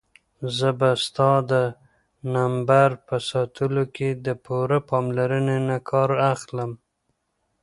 زه به ستا د نمبر په ساتلو کې د پوره پاملرنې نه کار اخلم.